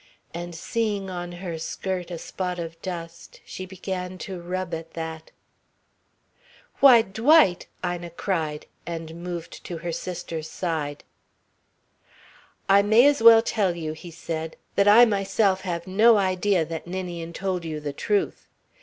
And seeing on her skirt a spot of dust she began to rub at that. "Why, Dwight!" Ina cried, and moved to her sister's side. "I may as well tell you," he said, "that I myself have no idea that Ninian told you the truth.